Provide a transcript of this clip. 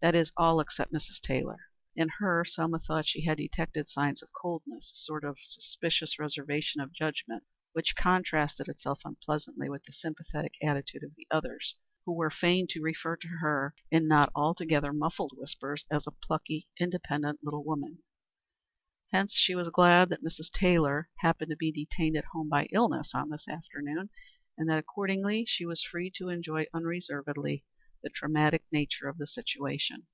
That is, all except Mrs. Taylor. In her, Selma thought she had detected signs of coldness, a sort of suspicious reservation of judgment, which contrasted itself unpleasantly with the sympathetic attitude of the others, who were fain to refer to her, in not altogether muffled whispers, as a plucky, independent, little woman. Hence, she was glad that Mrs. Taylor happened to be detained at home by illness on this afternoon, and that, accordingly, she was free to enjoy unreservedly the dramatic nature of the situation.